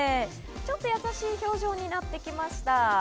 ちょっとやさしい表情になってきました。